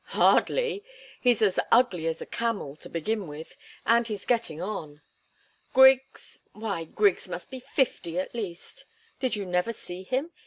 "Hardly! He's as ugly as a camel, to begin with and he's getting on. Griggs why, Griggs must be fifty, at least. Did you never see him?